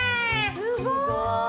すごい！